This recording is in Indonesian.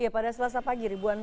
pada selasa pagi ribuan